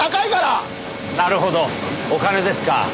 なるほどお金ですか。